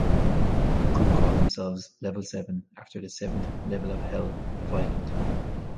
The group called themselves Level Seven after the seventh level of hell, the "violent".